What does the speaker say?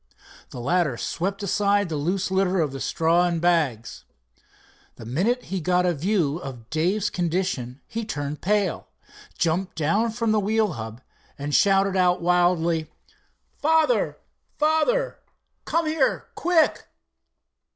The latter swept aside the loose litter of straw and bags. The minute he got a view of Dave's condition he turned pale, jumped down from the wheel hub and shouted out wildly: "Father, father—come here quick!"